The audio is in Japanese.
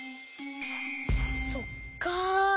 そっか。